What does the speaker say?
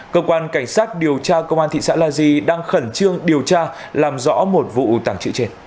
cơ quan cảnh sát điều tra công an thị xã la di đang khẩn trương điều tra làm rõ một vụ tảng trự trên